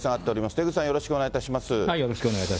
出口さん、よろしくお願いいたします。